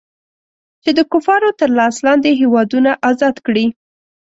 چې د کفارو تر لاس لاندې هېوادونه ازاد کړي.